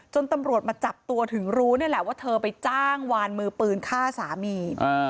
ตำรวจมาจับตัวถึงรู้นี่แหละว่าเธอไปจ้างวานมือปืนฆ่าสามี